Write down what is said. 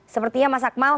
sepertinya mas akmal